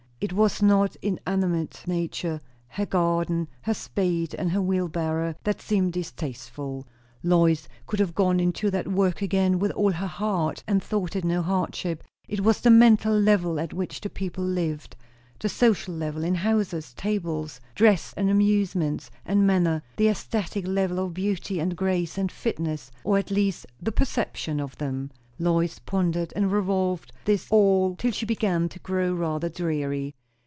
It was not inanimate nature, her garden, her spade and her wheelbarrow, that seemed distasteful; Lois could have gone into that work again with all her heart, and thought it no hardship; it was the mental level at which the people lived; the social level, in houses, tables, dress, and amusements, and manner; the aesthetic level of beauty, and grace, and fitness, or at least the perception of them. Lois pondered and revolved this all till she began to grow rather dreary.